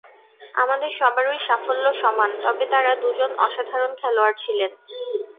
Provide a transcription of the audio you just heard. আমাদের সবারই সাফল্য সমান, তবে তাঁরা দুজন অসাধারণ খেলোয়াড় ছিলেন।